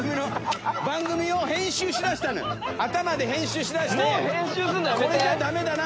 頭で編集しだしてこれじゃダメだな。